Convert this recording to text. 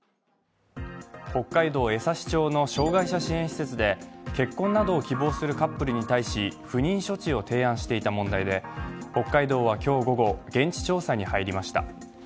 北海道江差町の障害者支援施設で結婚などを希望するカップルに対し不妊処置を提案していた問題で北海道は今日午後、現地調査に入りました。